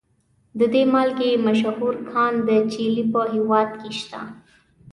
د دې مالګې مشهور کان د چیلي په هیواد کې شته.